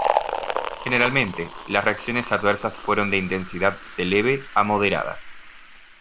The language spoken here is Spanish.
Generalmente, las reacciones adversas fueron de intensidad de leve a moderada.